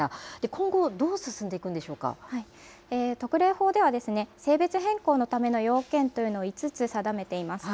今後、どう進んでいくんでしょう特例法では、性別変更のための要件というのを５つ定めています。